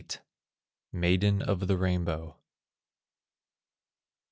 MAIDEN OF THE RAINBOW.